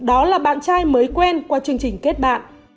khi được hỏi nạn nhân chị nói đó là bạn trai mới quen qua chương trình kết bạn